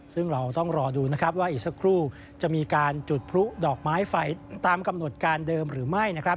ซึ่งเราต้องรอดูนะครับว่าอีกสักครู่จะมีการจุดพลุดอกไม้ไฟตามกำหนดการเดิมหรือไม่นะครับ